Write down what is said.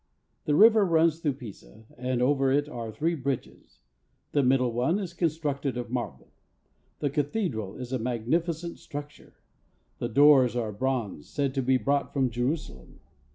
The river runs through Pisa, and over it are three bridges: the middle one is constructed of marble. The cathedral is a mag¬ nificent structure : the doors are of bronze, said to be brought from Jerusalem.